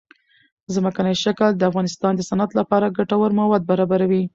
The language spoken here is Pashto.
ځمکنی شکل د افغانستان د صنعت لپاره ګټور مواد برابروي.